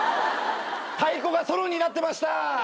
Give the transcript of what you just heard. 太鼓がソロになってました。